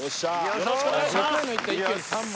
よろしくお願いします